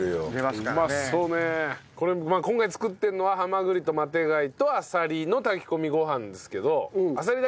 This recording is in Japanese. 今回作ってるのはハマグリとマテガイとアサリの炊き込みご飯ですけど。